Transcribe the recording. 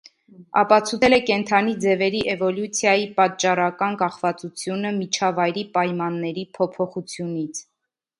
Ապացուցել է կենդանի ձևերի էվոլյուցիայի պատճառական կախվածությունը միջավայրի պայմանների փոփոխությունից։